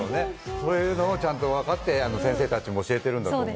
そういうのをちゃんと分かって、先生たちも教えているんだと思う。